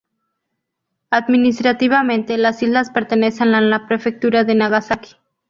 Administrativamente, las islas pertenecen a la prefectura de Nagasaki.